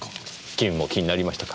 君も気になりましたか。